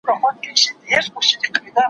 گوز په ټوخي نه تېرېږي.